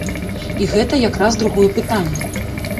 І гэта як раз другое пытанне.